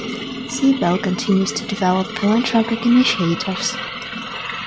Siebel continues to develop philanthropic initiatives.